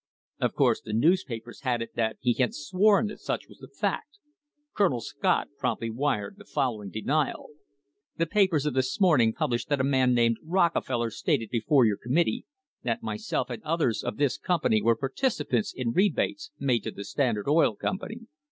Of course the newspapers had it that he had sworn that such was the fact. Colonel Scott promptly wired the following denial: " The papers of this morning publish that a man named Rockefeller stated before your committee that myself and other officers of this company were participants in rebates made to the Standard Oil Company.